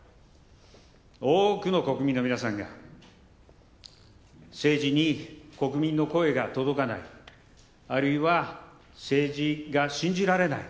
多くの国民の皆さんが、政治に国民の声が届かない、あるいは政治が信じられない。